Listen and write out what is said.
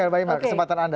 bang aimel kesempatan anda